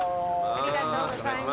ありがとうございます。